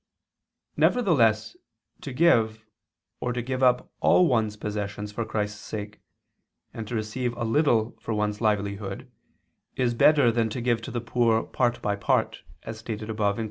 Nevertheless to give or to give up all one's possessions for Christ's sake, and to receive a little for one's livelihood is better than to give to the poor part by part, as stated above (Q.